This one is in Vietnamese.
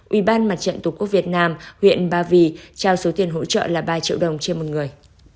ủy ban mặt trận tổ quốc việt nam huyện ba vì trao số tiền hỗ trợ là ba triệu đồng trên một người